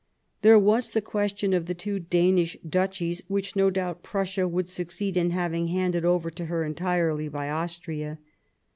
There was the question of the tv/o Danish Duchies, which no doubt Prussia would succeed in having handed over to her entirely by Austria.